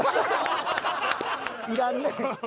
いらんね。